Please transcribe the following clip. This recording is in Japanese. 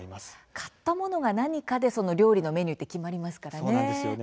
買ったものが何かで料理のメニューって決まりますからね。